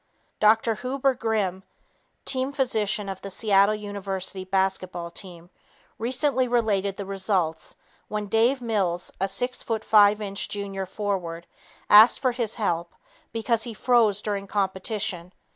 Dr. Huber Grimm, team physician of the Seattle University basketball team, recently related the results when Dave Mills, a six foot five inch junior forward, asked for his help because he "froze" during competition.